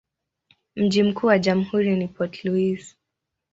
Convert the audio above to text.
Mji mkuu wa jamhuri ni Port Louis.